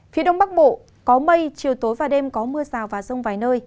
phía đông bắc bộ có mây chiều tối và đêm có mưa rào và rông vài nơi